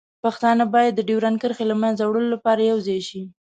پښتانه باید د ډیورنډ کرښې له منځه وړلو لپاره یوځای شي.